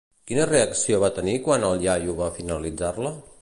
Quina reacció va tenir quan el iaio va finalitzar-la?